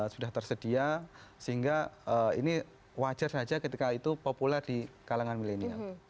sudah tersedia sehingga ini wajar saja ketika itu populer di kalangan milenial